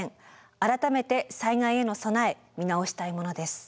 改めて災害への備え見直したいものです。